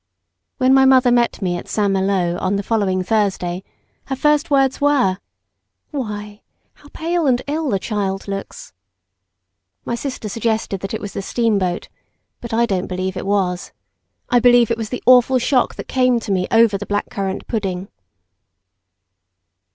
When my mother met me at St. Malo on the following Thursday, her first words were, "Why, how pale and ill the child looks!" My sister suggested that it was the steamboat; but I don't believe it was. I believe it was the awful shock that came to me over the black currant pudding.